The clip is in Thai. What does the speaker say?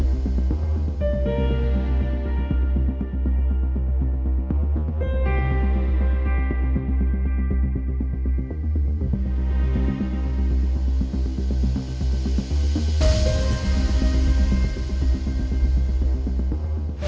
เมื่อเวลาอันดับสุดท้ายมันกลายเป็นภูมิที่สุดท้าย